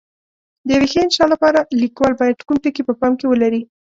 د یوې ښې انشأ لپاره لیکوال باید کوم ټکي په پام کې ولري؟